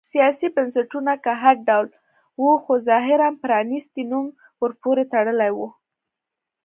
سیاسي بنسټونه که هر ډول و خو ظاهراً پرانیستی نوم ورپورې تړلی و.